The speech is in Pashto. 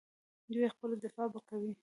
دوی خپله دفاع به کوي.